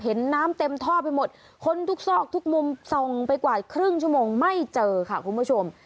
เห็นน้ำเต็มท่อไปหมดคนทุกซอกทุกมุมส่องไปกว่าครึ่งชั่วโมงไม่เจอค่ะคุณผู้ชม